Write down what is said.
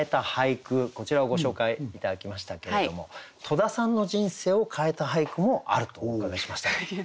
こちらをご紹介頂きましたけれども戸田さんの人生を変えた俳句もあるとお伺いしましたが。